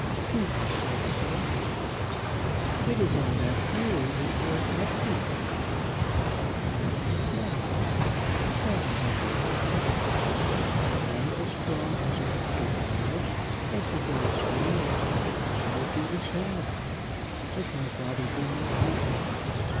"Who has said so?" "It is on that theory that you are acting." "No; not on that; not on that alone. Were I as strong as are other girls, as the very strongest, I would do the same. Has my father been with you?"